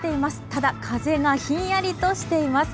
ただ、風がひんやりとしています。